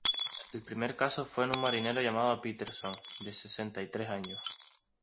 El primer caso fue en un marinero llamado Peterson, de sesenta y tres años.